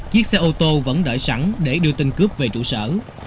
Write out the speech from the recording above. chiếc xe ô tô vẫn đợi sẵn để đưa tên cướp về trụ sở